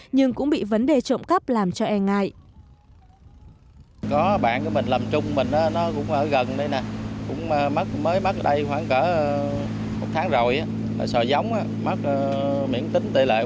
nhưng cũng bị vấn đề trộm cắp làm cho e ngại